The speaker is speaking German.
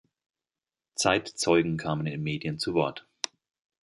Zeitzeugen kamen in Medien zu Wort.